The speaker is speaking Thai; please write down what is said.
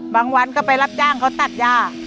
วันก็ไปรับจ้างเขาตัดย่า